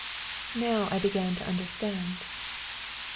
"' "Now I began to understand.